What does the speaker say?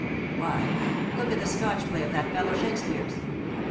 Why, look at the Scotch play of that fellow Shakespeare's.